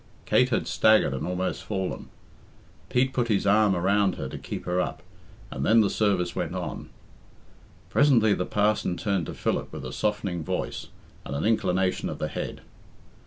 Kate had staggered and almost fallen. Pete put his arm around her to keep her up, and then the service went on. Presently the parson turned to Philip with a softening voice and an inclination of the head.